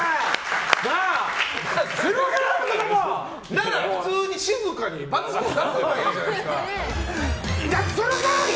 なら普通に静かに×を出せばいいじゃないですか。